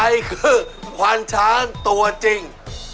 ใครคือขวัญธรรมตัวจริง